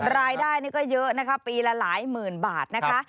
รายได้นี่ก็เยอะนะคะปีละหลายหมื่นบาทนะคะ